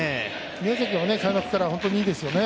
宮崎は開幕から本当にいいですよね。